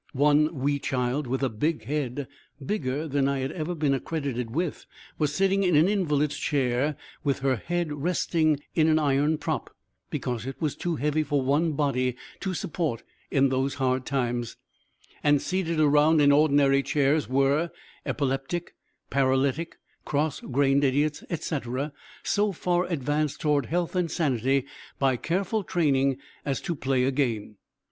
One wee child with a big head bigger than I had ever been accredited with was sitting in an invalid's chair with her head resting in an iron prop, because it was too heavy for one body to support in those hard times, and seated around in ordinary chairs were epileptic, paralytic, cross grained idiots, etc., so far advanced toward health and sanity by careful training as to play a game.